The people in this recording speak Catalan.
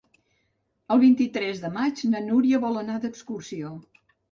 El vint-i-tres de maig na Núria vol anar d'excursió.